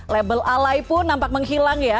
label alaipun nampak menghilang ya